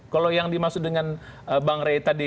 kalau yang dimaksud dengan bank reta